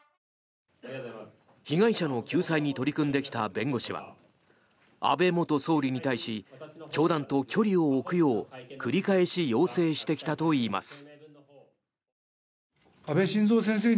被害者の救済に取り組んできた弁護士は安倍元総理に対し教団と距離を置くよう繰り返し要請してきたといいます。